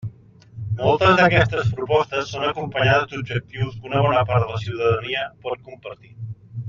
Moltes d'aquestes propostes són acompanyades d'objectius que una bona part de la ciutadania pot compartir.